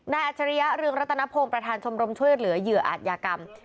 อัจฉริยะเรืองรัตนพงศ์ประธานชมรมช่วยเหลือเหยื่ออาจยากรรม